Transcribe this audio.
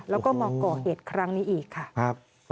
แล้วก็มาก่อเหตุครั้งนี้อีกค่ะ